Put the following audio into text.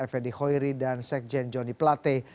f d khoiri dan sekjen johnny plate